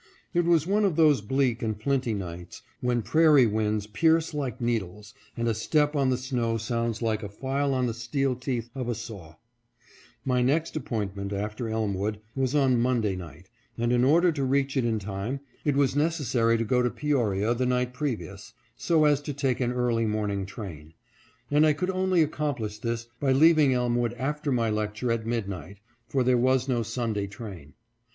It was one of those bleak and flinty nights, when prairie winds pierce like needles, and a step on the snow sounds like a file on the steel teeth of a saw. My A FREEZING NIGHT AND GLOOMY PROSPECTS 561 next appointment after Elmwood was on Monday night, and in order to reach it in time, it was necessary to go to Peoria the night previous, so as to take an early morning train, and I could only accomplish this by leaving Elm wood after my lecture at midnight, for there was no Sun day train.